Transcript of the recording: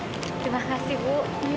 terima kasih bu